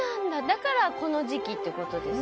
だからこの時期ってことですか？